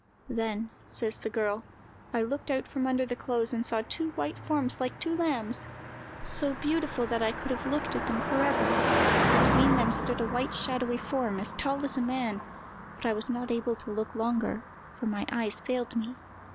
—"Then," says the girl, "I looked out from under the clothes, and I saw two white forms, like two lambs—so beautiful that I could have looked at them for ever. Between them stood a white, shadowy form, as tall as a man, but I was not able to look longer, for my eyes failed me."